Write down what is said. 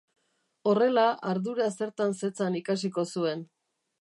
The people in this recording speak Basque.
Horrela, ardura zertan zetzan ikasiko zuen.